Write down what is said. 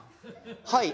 はい。